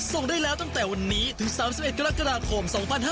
ส่งได้แล้วตั้งแต่วันนี้ถึง๓๑กรกฎาคม๒๕๕๙